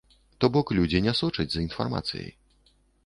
То бок людзі не сочаць за інфармацыяй.